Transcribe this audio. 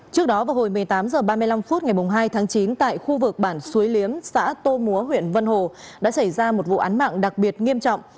trước đó vào hồi một mươi tám h ba mươi năm phút ngày hai tháng chín tại khu vực bản suối liếm xã tô múa huyện vân hồ đã xảy ra một vụ án mạng đặc biệt nghiêm trọng